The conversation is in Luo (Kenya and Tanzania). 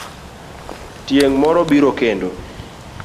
Tieng' moro biro kendo.